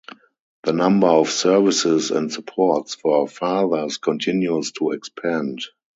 The number of services and supports for fathers continues to expand.